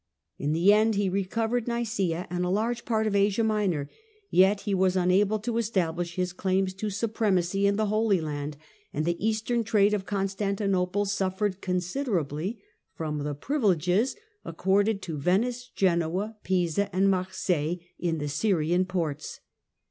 In the end he recovered Nicaea and a large part of Asia Minor, yet he was unable to establish his claims to supremacy in the Holy Land, and the Eastern trade of Constantinople suffered considerably from the privileges accorded to Venice, Genoa, Pisa, and Marseilles in the Syrian ports.